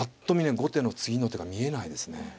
後手の次の手が見えないですね。